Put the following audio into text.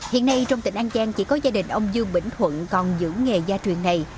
hiện nay trong tỉnh an giang chỉ có gia đình ông dương bỉnh thuận còn giữ nghề gia truyền này